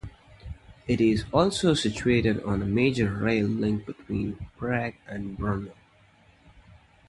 It is also situated on a major rail link between Prague and Brno.